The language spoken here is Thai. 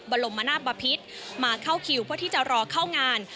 บรมนาศบพิษมาเข้าคิวเพื่อที่จะรอเข้างาน